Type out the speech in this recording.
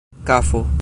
kafo